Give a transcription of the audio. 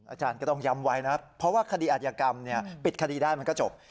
อาจารย์ก็ต้องย้ำไว้นะเพราะว่าคดีอัธยกรรมปิดคดีได้มันก็จบ